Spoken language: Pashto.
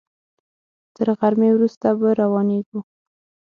تر غرمې وروسته به روانېږو.